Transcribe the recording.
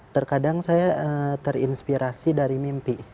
terkadang saya terinspirasi dari mimpi